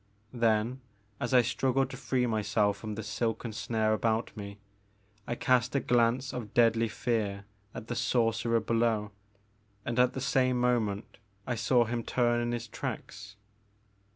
Then, as I struggled to free myself from the silken snare about me, I cast a glance of deadly fear at the sorcerer below, and at the same mo ment I saw him turn in his tracks.